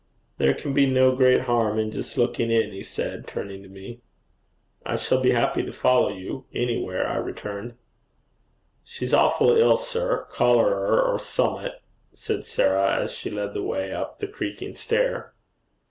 'There can be no great harm in just looking in,' he said, turning to me. 'I shall be happy to follow you anywhere,' I returned. 'She's awful ill, sir; cholerer or summat,' said Sarah, as she led the way up the creaking stair.